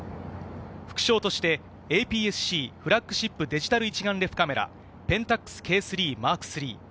副賞としてＡＰＳーＣフラッグシップデジタル一眼レフカメラ、ＰＥＮＴＡＸＫ−３Ｍａｒｋ３。